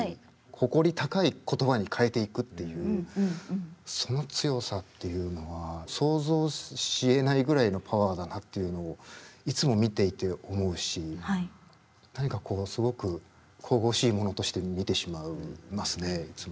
誇り高い言葉に変えていくっていうその強さっていうのは想像しえないぐらいのパワーだなっていうのをいつも見ていて思うし何かこうすごく神々しいものとして見てしまいますねいつも。